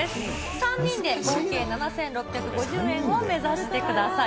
３人で合計７６５０円を目指してください。